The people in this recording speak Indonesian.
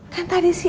kan tadi si